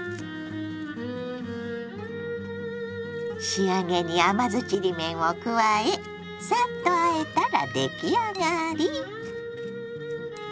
仕上げに甘酢ちりめんを加えサッとあえたら出来上がり。